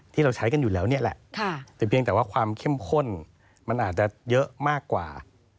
ที่เราใช้กันอยู่แล้วนี่แหละแต่เพียงแต่ว่าความเข้มข้นมันอาจจะเยอะมากกว่า